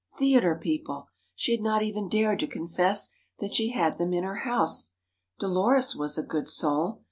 Theatre people! She had not even dared to confess that she had them in her house. Dolores was a good soul